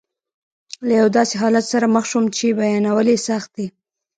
له یو داسې حالت سره مخ شوم چې بیانول یې سخت دي.